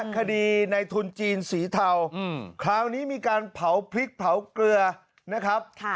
คดีในทุนจีนสีเทาคราวนี้มีการเผาพริกเผาเกลือนะครับ